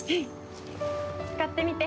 使ってみて。